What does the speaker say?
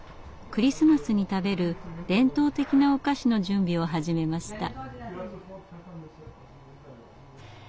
クリスマスに食べる伝統的なお菓子の準備を始めました。